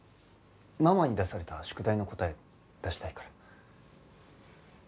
ママに出された宿題の答え出したいから。